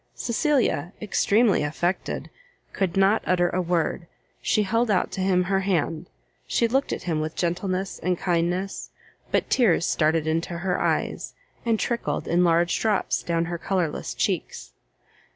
Cecilia, extremely affected, could not utter a word; she held out to him her hand, she looked at him with gentleness and kindness, but tears started into her eyes, and trickled in large drops down her colourless cheeks.